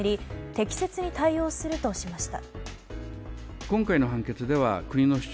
適切に対応するとしました。